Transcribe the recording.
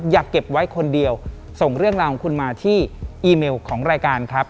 เก็บไว้คนเดียวส่งเรื่องราวของคุณมาที่อีเมลของรายการครับ